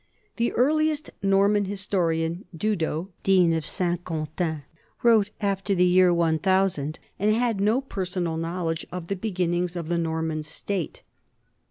The earliest Norman historian, Dudo, dean of Saint Quentin, wrote after the year 1000 and had no personal knowledge of the beginnings of the Nor man state.